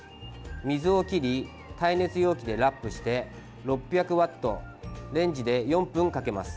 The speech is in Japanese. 水を切り、耐熱容器でラップして６００ワットレンジで４分かけます。